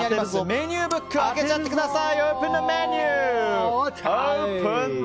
メニューブック開けちゃってください。